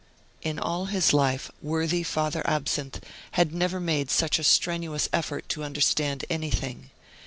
In all his life, worthy Father Absinthe had never made such a strenuous effort to understand anything.